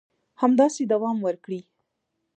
همداسې دوام وکړي